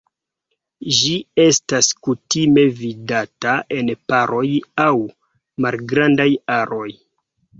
Ĝi estas kutime vidata en paroj aŭ malgrandaj aroj.